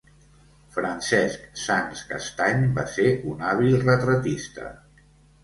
Francesc Sans Castany va ser un hàbil retratista.